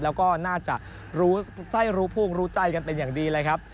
แล้วก็น่าจะรู้ไส้รู้พวงรู้ใจกันเป็นอย่างดีเลยครับ